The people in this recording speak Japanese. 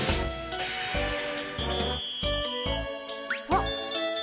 あっ。